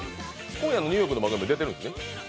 今夜のニューヨークの番組出てるんですか？